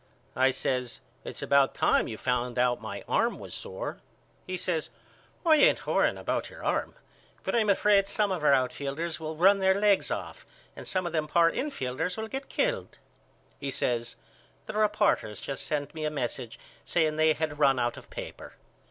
I says It's about time you found out my arm was sore. He says I ain't worrying about your arm but I'm afraid some of our outfielders will run their legs off and some of them poor infielders will get killed. He says The reporters just sent me a message saying they had run out of paper.